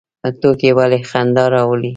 ټوکې ولې خندا راوړي؟